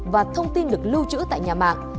và thông tin được lưu trữ tại nhà mạng